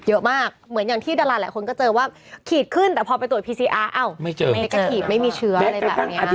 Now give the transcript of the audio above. คือถือถูกถูกถูกสูตรตอนนี้ในท้องตลาดมินเจอ๑๕๐บาทที่เจอ๗๐บาท